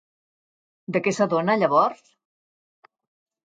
De què s'adona llavors?